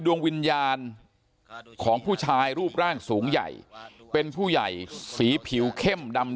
ดวงวิญญาณของผู้ชายรูปร่างสูงใหญ่เป็นผู้ใหญ่สีผิวเข้มดำ